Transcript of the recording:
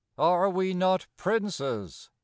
Are we not Princes ?